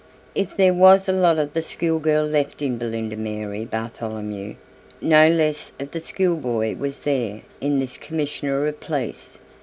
If there was a lot of the schoolgirl left in Belinda Mary Bartholomew, no less of the schoolboy was there in this Commissioner of Police.